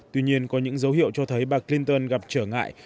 tuy nhiên có những dấu hiệu cho thấy bà clinton gặp trở ngại